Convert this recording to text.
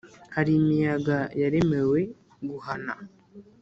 Hari imiyaga yaremewe guhana,